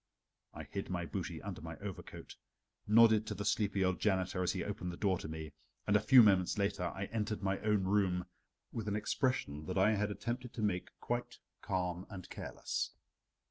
I hid my booty under my overcoat, nodded to the sleepy old janitor as he opened the door to me, and a few moments later I entered my own room with an expression which I had attempted to make quite calm and careless.